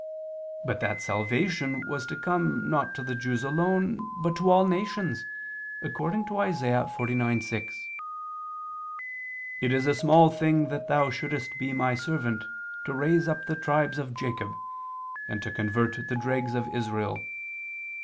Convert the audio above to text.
But that salvation was to come not to the Jews alone but to all nations, according to Isa. 49:6: "It is a small thing that thou shouldst be my servant to raise up the tribes of Jacob, and to convert the dregs of Israel.